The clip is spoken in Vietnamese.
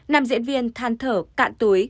năm diễn viên than thở cạn túi